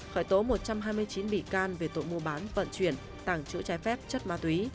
khởi tố một trăm hai mươi chín bị can về tội mua bán vận chuyển tàng trữ trái phép chất ma túy